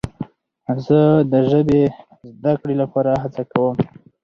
زه د ژبې زده کړې لپاره هڅه کوم.